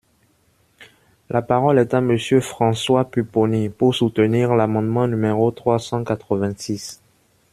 La parole est à Monsieur François Pupponi, pour soutenir l’amendement numéro trois cent quatre-vingt-six.